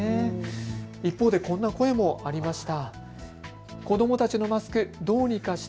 一方でこんな声もありました。